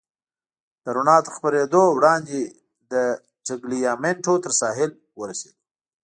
د رڼا تر خپرېدو وړاندې د ټګلیامنټو تر ساحل ورسېدو.